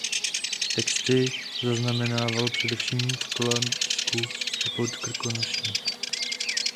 Texty zaznamenával především v Kladsku a Podkrkonoší.